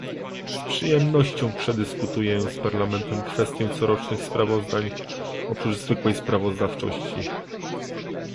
Z przyjemnością przedyskutuję z Parlamentem kwestię corocznych sprawozdań, oprócz zwykłej sprawozdawczości